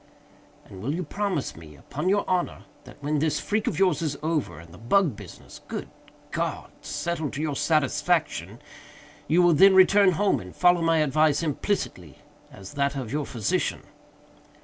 "And will you promise me, upon your honor, that when this freak of yours is over, and the bug business (good God!) settled to your satisfaction, you will then return home and follow my advice implicitly, as that of your physician?"